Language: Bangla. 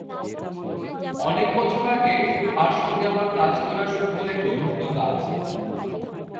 অনেক বছর আগে তাঁর সঙ্গে আমার কাজ করার সুন্দর একটা অভিজ্ঞতা আছে।